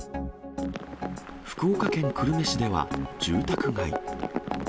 福岡県久留米市では住宅街。